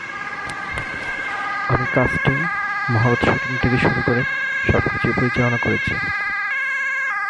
আমি কাস্টিং, মহরত শুটিং থেকে শুরু করে, সবকিছুই পরিচালনা করছি।